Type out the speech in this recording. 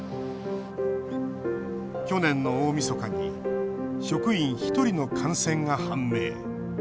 去年の大みそかに職員１人の感染が判明。